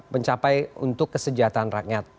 mencapai untuk kesejahteraan rakyat